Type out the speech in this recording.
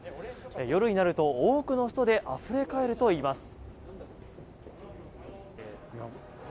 夜になると、多くの人であふれ返るといいます。